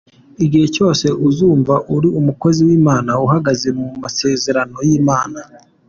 Igihe cyose uzumva uri umukozi w’Imana, uhagaze mu masezerano y’Imana.